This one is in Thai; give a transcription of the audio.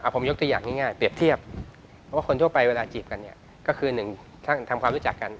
ผมยกตัวอย่างง่ายเปรียบเทียบเพราะว่าคนทั่วไปเวลาจีบกันเนี่ยก็คือหนึ่งทำความรู้จักกัน